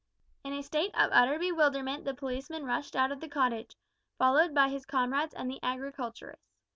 In a state of utter bewilderment the policeman rushed out of the cottage, followed by his comrades and the agriculturists.